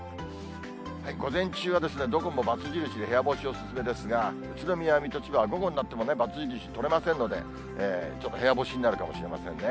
午前中はどこも×印で部屋干しお勧めですが、宇都宮、水戸、千葉は午後になっても×印取れませんので、ちょっと部屋干しになるかもしれませんね。